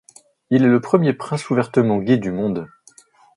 Il est le premier prince ouvertement gay du monde.